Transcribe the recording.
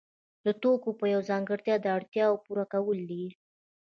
د توکو یوه ځانګړتیا د اړتیاوو پوره کول دي.